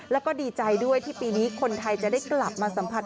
แล้วก็ดีใจด้วยที่ปีนี้คนไทยจะได้กลับมาสัมผัส